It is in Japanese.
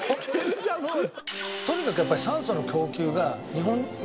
とにかくやっぱり酸素の供給が日本